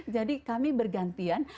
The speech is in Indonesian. jadi kami bergantian